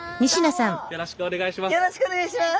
よろしくお願いします。